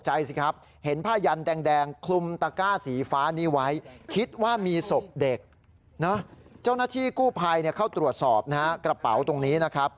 เจอกระเป๋านะครับนะครับ